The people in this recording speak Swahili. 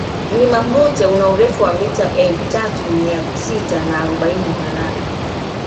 mlima klute una urefu wa mita elfu tatu Mia sita na arobaini na nane